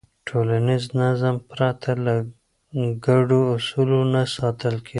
ټولنیز نظم پرته له ګډو اصولو نه ساتل کېږي.